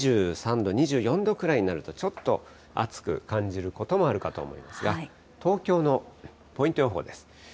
２３度、２４度くらいになると、ちょっと暑く感じることもあるかと思いますが、東京のポイント予報です。